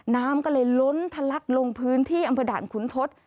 น้ำก็เลยล้นทะลักลงพื้นที่อำเภอด่านขุนทศ